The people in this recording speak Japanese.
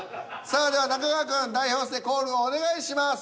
さあでは中川くん代表してコールをお願いします。